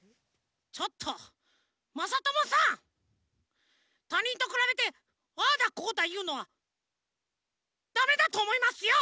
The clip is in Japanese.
ちょっとまさともさたにんとくらべてああだこうだいうのはダメだとおもいますよ！